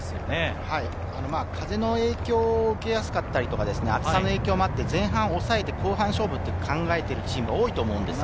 風の影響を受けやすかったり、暑さの影響もあって、前半を抑えて後半勝負と考えているチームが多いと思います。